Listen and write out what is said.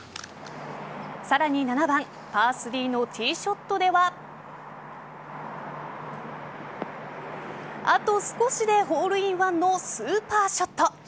さらに７番パー３のティーショットではあと少しでホールインワンのスーパーショット。